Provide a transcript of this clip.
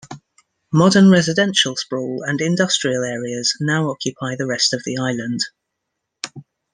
Modern residential sprawl and industrial areas now occupy the rest of the island.